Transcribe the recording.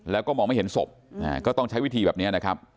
แล้วก็มองไม่เห็นศพก็ต้องใช้วิธีแบบนี้นะครับ